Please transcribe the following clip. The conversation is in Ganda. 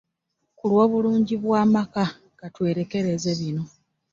Ku lw'obulungi bw'amaka ka twerekereze bino.